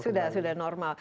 sudah sudah normal